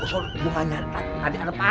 cabut dulu ya